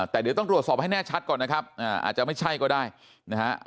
แต่เดี๋ยวต้องตรวจสอบให้แน่ชัดก่อนนะครับอาจจะไม่ใช่ก็ได้นะฮะ